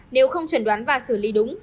nếu không chuẩn đoán và xử lý đúng